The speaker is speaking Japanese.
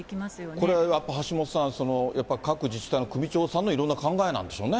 これはやっぱり橋下さん、やっぱり各自治体の首長さんのいろんな考えなんでしょうね。